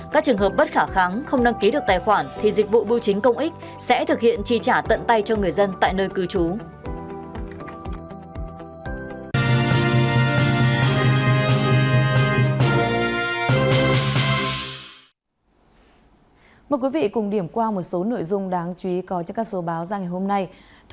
các trường hợp bất khả kháng không đăng ký được tài khoản thì dịch vụ bưu chính công ích sẽ thực hiện chi trả tận tay cho người dân tại nơi cư trú